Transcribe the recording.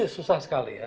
susah sekali ya